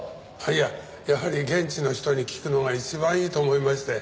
いややはり現地の人に聞くのが一番いいと思いまして。